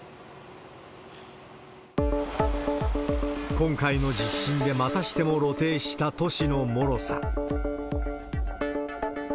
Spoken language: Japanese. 今回の地震でまたしても露呈した都市のもろさ。